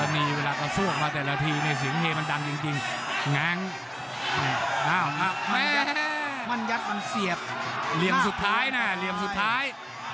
มันยัดมันเสียบเรียมสุดท้ายนะเรียมสุดท้าย